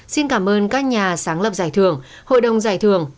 xin cảm ơn các nhà sáng lập giải thưởng hội đồng giải thưởng